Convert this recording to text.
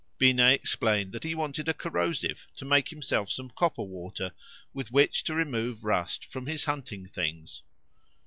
Binet explained that he wanted a corrosive to make himself some copperwater with which to remove rust from his hunting things.